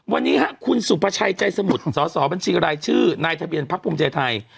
วันนี้คุณสุพชัยใจสมุทรสบัญชีอะไรชื่อนายทะเบียนภักดิ์ภูมิใจไทย